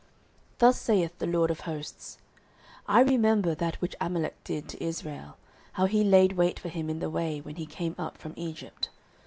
09:015:002 Thus saith the LORD of hosts, I remember that which Amalek did to Israel, how he laid wait for him in the way, when he came up from Egypt.